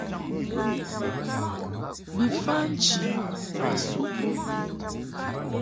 Bi fa nchi ma suʼ bo.